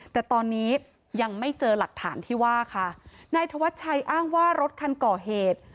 แต่ตอนนี้ยังไม่เจอหลักฐานที่ว่าค่ะนายธวัชชัยอ้างว่ารถคันก่อเหตุ